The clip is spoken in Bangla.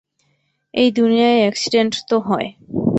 এই দুনিয়ায় অ্যাকসিডেন্ট তো হয়।